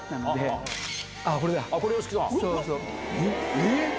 えっ？